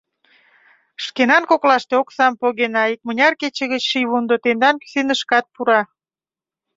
Шкенан коклаште оксам погена, икмыняр кече гыч шийвундо тендан кӱсенышкат пура.